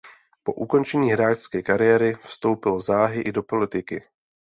Po ukončení hráčské kariéry vstoupil záhy i do politiky.